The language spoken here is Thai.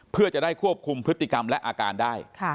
เพื่อจะได้ควบคุมพฤติกรรมและอาการได้